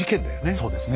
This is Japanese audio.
そうですね。